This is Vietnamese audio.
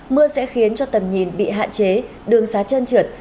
mưa sẽ khiến cho tầm nhìn bị hạn chế đường xá chân trượt